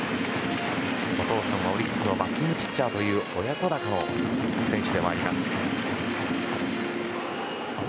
お父さんはオリックスのバッティングピッチャーという親子鷹の選手でもあります。